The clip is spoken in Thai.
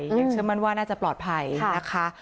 ยังเชื่อมั่นว่าน่าจะปลอดภัยนะคะ